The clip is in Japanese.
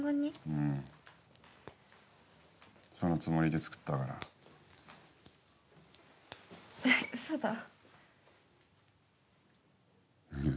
うんそのつもりで作ったからえっウソだいや